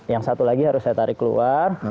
yang satu lagi harus saya tarik keluar